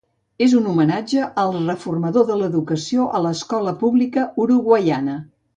És un homenatge al reformador de l'educació a l'escola pública uruguaiana.